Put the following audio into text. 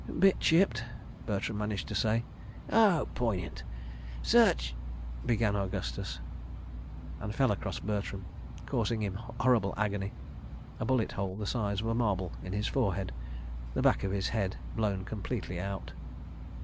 "Bit chipped," Bertram managed to say. "Oh, poignant! Search—" began Augustus ... and fell across Bertram, causing him horrible agony, a bullet hole the size of a marble in his forehead, the back of his head blown completely out.